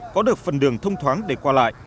có được phần đường thông thoáng để qua lại